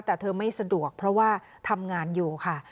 แต่เธอไม่สะดวกเพราะว่าทำงานอยู่ค่ะ